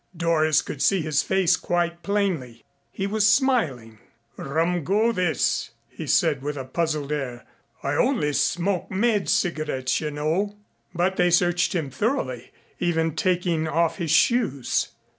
Doris could see his face quite plainly. He was smiling. "Rum go, this," he said with a puzzled air. "I only smoke made cigarettes, you know." But they searched him thoroughly, even taking off his shoes.